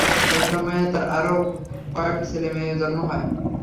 এ সময়ে তাঁর আরো কয়েকটি ছেলে-মেয়ে জন্ম হয়।